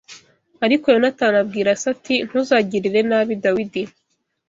Ariko Yonatani abwira se ati ntuzagirire nabi Dawidi